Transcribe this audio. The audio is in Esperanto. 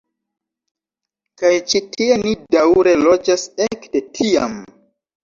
Kaj ĉi tie ni daŭre loĝas ekde tiam.